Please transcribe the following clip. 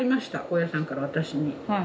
大家さんから私に。